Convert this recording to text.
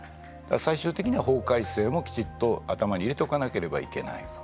最終的には法改正も頭に入れておかなければいけない。